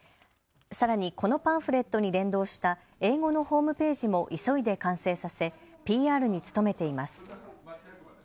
さらに、このパンフレットに連動した英語のホームページも急いで完成させＰＲに努めています。